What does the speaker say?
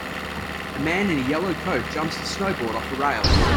A man in a yellow coat jumps his snowboard off a rail.